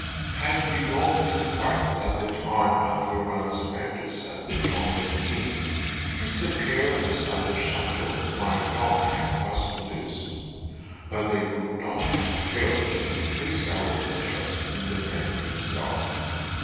Had we known these facts at the time Arthur Rance met us at the Donjon Inn, his presence at the chateau might not have puzzled us, but they could not have failed to increase our interest in the man himself.